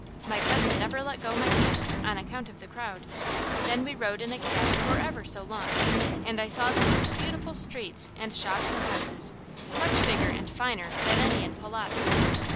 My cousin never let go my hand, on account of the crowd. Then we rode in a cab for ever so long, and I saw the most beautiful streets and shops and houses, much bigger and finer than any in Polotzk.